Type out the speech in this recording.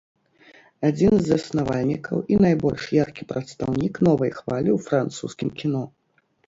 Адзін з заснавальнікаў і найбольш яркі прадстаўнік новай хвалі ў французскім кіно.